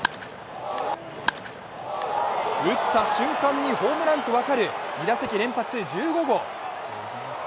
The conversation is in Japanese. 打った瞬間にホームランと分かる２打席連発１５号。